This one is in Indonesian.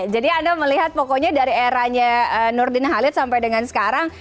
jadi anda melihat pokoknya dari eranya nudin halil sampai dengan sekarang